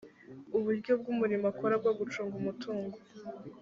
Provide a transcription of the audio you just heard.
uburyo bw’umurimo akora bwo gucunga umutungo